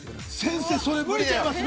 ◆先生、そこ、無理ちゃいます。